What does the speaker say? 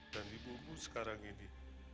dan ibumu sekarang ini